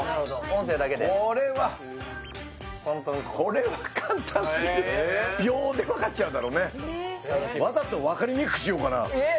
音声だけでこれはこれは簡単すぎる秒で分かっちゃうだろうねわざと分かりにくくしようかな